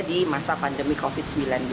di masa pandemi covid sembilan belas